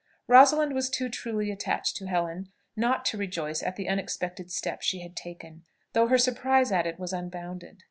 Rosalind was too truly attached to Helen not to rejoice at the unexpected step she had taken, though her surprise at it was unbounded.